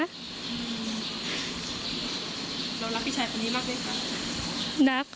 เรารักพี่ชายคนนี้มากไหมคะ